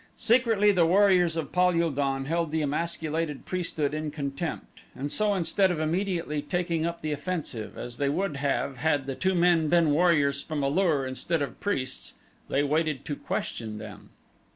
Secretly the warriors of Pal ul don held the emasculated priesthood in contempt and so instead of immediately taking up the offensive as they would have had the two men been warriors from A lur instead of priests, they waited to question them.